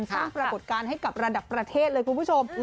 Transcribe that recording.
สร้างปรากฏการณ์ให้กับระดับประเทศเลยคุณผู้ชม